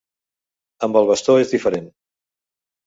Amb el bastó és diferent.